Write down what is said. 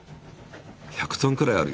１００ｔくらいあるよ。